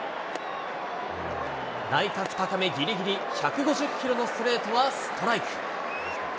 内角高めぎりぎり、１５０キロのストレートはストライク。